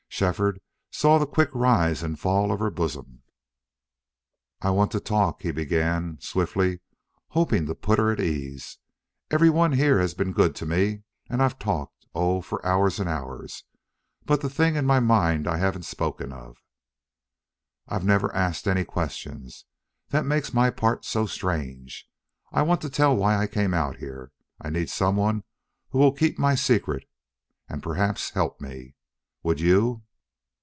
Shefford saw the quick rise and fall of her bosom. "I want to talk," he began, swiftly, hoping to put her at her ease. "Every one here has been good to me and I've talked oh, for hours and hours. But the thing in my mind I haven't spoken of. I've never asked any questions. That makes my part so strange. I want to tell why I came out here. I need some one who will keep my secret, and perhaps help me.... Would you?"